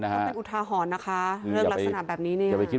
คือเป็นอุทหะหอนนะคะเรื่องลักษณะแบบนี้